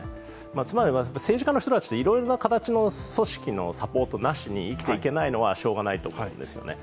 つまり政治家の人たちっていろんな形の組織と関わりがないと生きていけないのはしようがないと思うんですよね。